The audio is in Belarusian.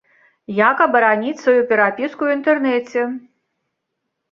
Як абараніць сваю перапіску ў інтэрнэце?